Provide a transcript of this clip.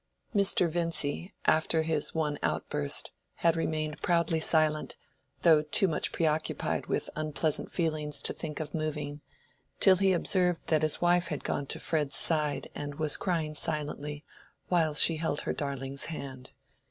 Mr. Vincy, after his one outburst, had remained proudly silent, though too much preoccupied with unpleasant feelings to think of moving, till he observed that his wife had gone to Fred's side and was crying silently while she held her darling's hand.